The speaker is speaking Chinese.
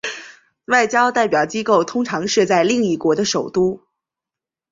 外交代表机构通常设在另一国的首都。